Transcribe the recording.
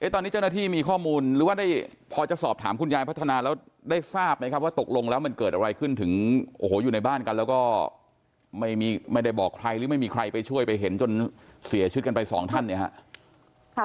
ตอนนี้เจ้าหน้าที่มีข้อมูลหรือว่าได้พอจะสอบถามคุณยายพัฒนาแล้วได้ทราบไหมครับว่าตกลงแล้วมันเกิดอะไรขึ้นถึงโอ้โหอยู่ในบ้านกันแล้วก็ไม่ได้บอกใครหรือไม่มีใครไปช่วยไปเห็นจนเสียชีวิตกันไปสองท่านเนี่ยครับ